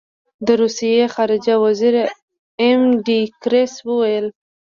د روسیې خارجه وزیر ایم ډي ګیرس وویل.